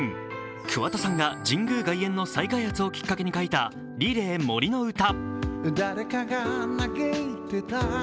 桑田さんが神宮外苑の再開発をきっかけに書いた「Ｒｅｌａｙ杜の詩」。